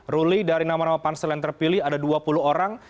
ruli dari nama nama pansel yang terpilih ada dua puluh orang